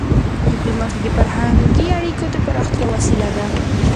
ډيپلوماسي د فرهنګي اړیکو د پراختیا وسیله ده.